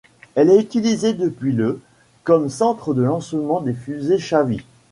Elle est utilisée depuis le comme centre de lancement des fusées Shavit.